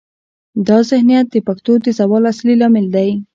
دا ذهنیت د پښتو د زوال اصلي لامل دی.